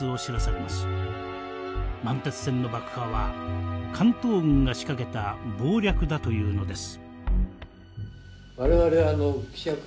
満鉄線の爆破は関東軍が仕掛けた謀略だというのです。